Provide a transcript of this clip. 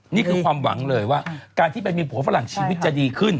นี่คือความหวังเลยว่าการที่ไปมีผัวฝรั่งชีวิตจะดีขึ้น